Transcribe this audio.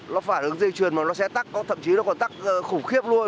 nó phải hướng dây truyền mà nó sẽ tắc thậm chí nó còn tắc khủng khiếp luôn